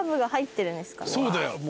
そうだよ。